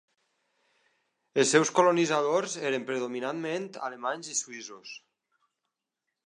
Els seus colonitzadors eren predominantment alemanys i suïssos.